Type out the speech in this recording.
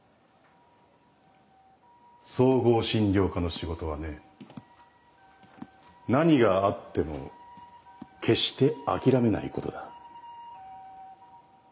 総合診療科の仕事はね何があっても決して諦めないことだ。